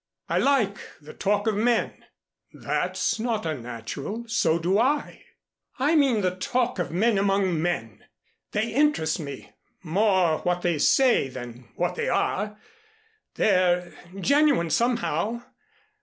I like the talk of men " "That's not unnatural so do I." "I mean the talk of men among men. They interest me, more what they say than what they are. They're genuine, somehow.